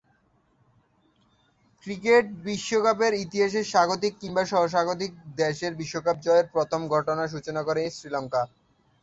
Cricket বিশ্বকাপের ইতিহাসে স্বাগতিক কিংবা সহ-স্বাগতিক দেশের বিশ্বকাপ জয়ের প্রথম ঘটনার সূচনা করে শ্রীলঙ্কা।